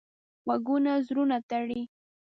غږونه زړونه تړي